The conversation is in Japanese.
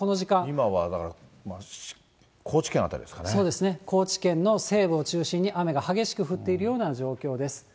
今はだから、そうですね、高知県の西部を中心に雨が激しく降っているような状況です。